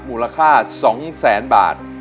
มูลค่า๒แสนบาท